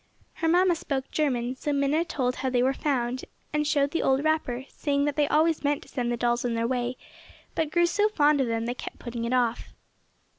Her mamma spoke German so Minna told how they were found, and showed the old wrapper, saying that they always meant to send the dolls on their way but grew so fond of them they kept putting it off.